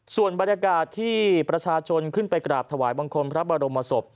ส่วนบรรยากาศที่ประชาชนขึ้นไปกราบถวายบังคมพระบรมศพ